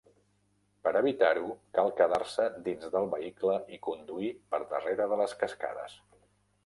Per evitar-ho, cal quedar-se dins del vehicle i conduir per darrere de les cascades.